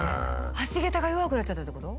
橋げたが弱くなっちゃったってこと？